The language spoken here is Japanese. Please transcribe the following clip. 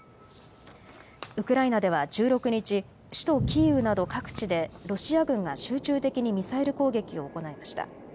ウクライナでは１６日、首都キーウなど各地でロシア軍が集中的にミサイル攻撃を行いました。